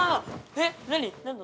えっ、何？